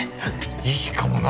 いいかもな！